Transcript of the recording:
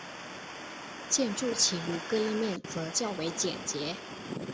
建筑其余各立面则较为简洁。